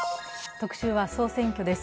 特集は総選挙です。